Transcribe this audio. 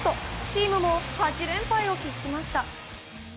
チームも８連敗を喫しました。